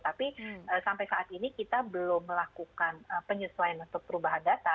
tapi sampai saat ini kita belum melakukan penyesuaian untuk perubahan data